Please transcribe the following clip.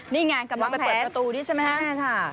นี่งานกำลังเปิดประตูนี้ใช่ไหมฮะ